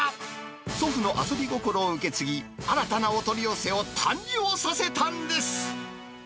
祖父の遊び心を受け継ぎ、新たなお取り寄せを誕生させたんです。